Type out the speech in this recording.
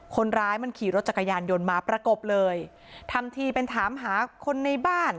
คนร้ายมันขี่รถจักรยานยนต์มาประกบเลยทำทีเป็นถามหาคนในบ้าน